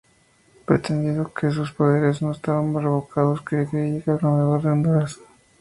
Pretendiendo que sus poderes no estaban revocados, se creía gobernador de Honduras.